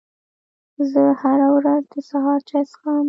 زه هره ورځ د سهار چای څښم